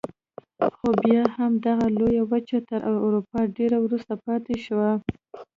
خو بیا هم دغه لویه وچه تر اروپا ډېره وروسته پاتې شوه.